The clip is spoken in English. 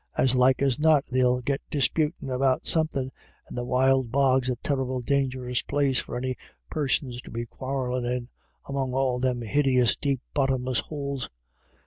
As like as not they'll git disputin' about some thin', and the wild bog's a terrible dangerous place for any persons to be quarrellin' in, among all them higeous deep bottomless houles.